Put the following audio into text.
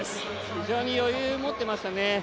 非常に余裕を持っていましたね。